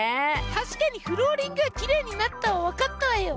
確かにフローリングはきれいになったわ分かったわよ